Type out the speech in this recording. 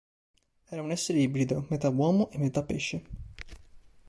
Era un essere ibrido, metà uomo e metà pesce.